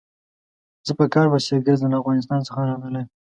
زه په کار پسې ګرځم، له افغانستان څخه راغلی يم.